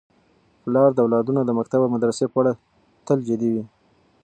پلار د اولادونو د مکتب او مدرسې په اړه تل جدي وي.